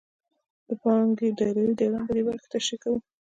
د پانګې دایروي دوران په دې برخه کې تشریح کوو